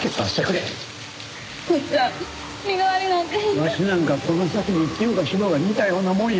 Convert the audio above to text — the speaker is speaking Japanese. わしなんかこの先生きようが死のうが似たようなもんや。